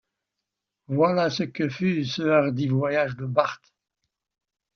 Voilà ce que fut ce hardi voyage de Barth.